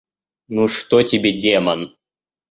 Ну что тебе Демон?